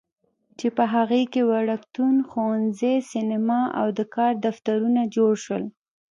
چې په هغې کې وړکتون، ښوونځی، سینما او د کار دفترونه جوړ شول.